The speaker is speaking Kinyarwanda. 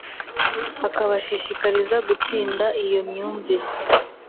akabashishikariza gutsinda iyo myumvire